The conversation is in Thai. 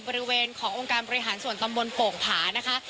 บริเวณขององค์การบริหารส่วนตำบลโป่งผานะคะ